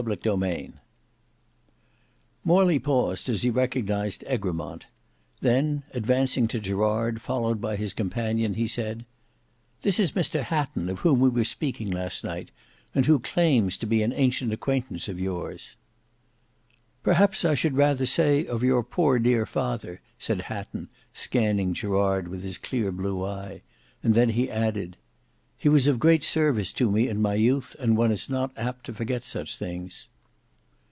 Book 4 Chapter 9 Morley paused as he recognised Egremont; then advancing to Gerard, followed by his companion, he said, "This is Mr Hatton of whom we were speaking last night, and who claims to be an ancient acquaintance of yours." "Perhaps I should rather say of your poor dear father," said Hatton, scanning Gerard with his clear blue eye, and then he added, "He was of great service to me in my youth, and one is not apt to forget such things."